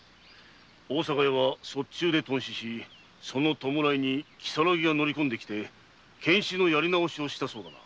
大阪屋は卒中で頓死しその弔いに如月が乗り込んできて検死のやり直しをしたそうだな。